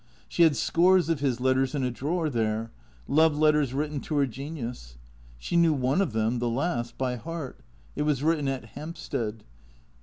She had scores of his letters in a drawer, there; love letters written to her genius. She knew one of them, the last, by heart. It was written at Hampstead.